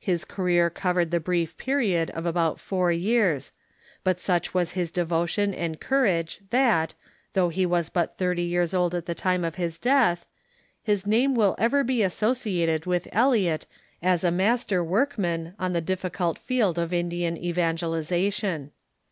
His career covered the brief period of about four years ; but such was his devotion and courage that, though he was but thirty years old at the time of his death, his name will ever be associated with Eliot as a master workman in the difficult field of Indian evangelization.